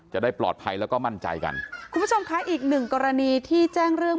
จะได้ปลอดภัยแล้วก็มั่นใจกันคุณผู้ชมคะอีกหนึ่งกรณีที่แจ้งเรื่อง